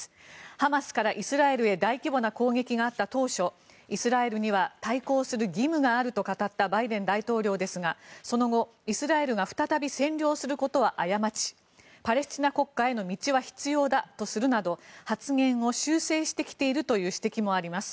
ハマスからイスラエルへ大規模な攻撃があった当初イスラエルには対抗する義務があると語ったバイデン大統領ですがその後、イスラエルが再び占領することは過ちパレスチナ国家への道は必要だとするなど発言を修正してきているという指摘もあります。